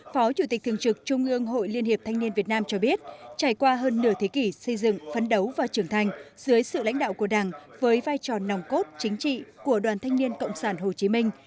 phó chủ tịch thường trực trung ương hội liên hiệp thanh niên việt nam cho biết trải qua hơn nửa thế kỷ xây dựng phấn đấu và trưởng thành dưới sự lãnh đạo của đảng với vai trò nòng cốt chính trị của đoàn thanh niên cộng sản hồ chí minh